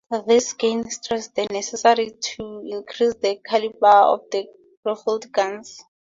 This again stressed the necessity to increase the caliber of the rifled guns.